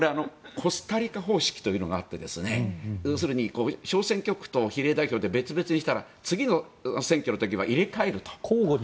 これ、コスタリカ方式というのがあって小選挙区と比例代表で別々にしたら次の選挙では入れ替えると。